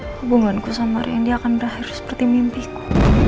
hubunganku sama rendy akan berakhir seperti mimpiku